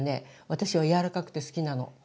私はやわらかくて好きなの。